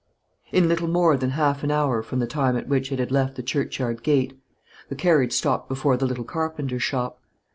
In little more than half an hour from the time at which it had left the churchyard gate, the carriage stopped before the little carpenter's shop.